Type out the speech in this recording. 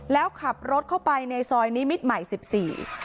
แล้วขับรถเข้าไปในซอยนิมิตรใหม่สิบสี่